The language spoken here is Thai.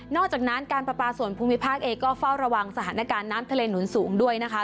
อกจากนั้นการประปาส่วนภูมิภาคเองก็เฝ้าระวังสถานการณ์น้ำทะเลหนุนสูงด้วยนะคะ